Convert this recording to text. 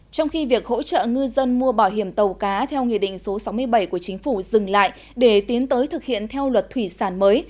trong khi việc hỗ trợ ngư dân mua bảo hiểm tàu cá theo nghị định số sáu mươi bảy của chính phủ dừng lại để tiến tới thực hiện theo luật thủy sản mới